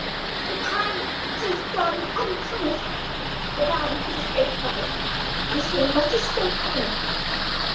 The crime has gone unpunished; the man has escaped others. He shall not escape Me."